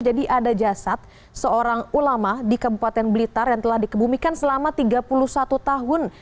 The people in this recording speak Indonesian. ada jasad seorang ulama di kabupaten blitar yang telah dikebumikan selama tiga puluh satu tahun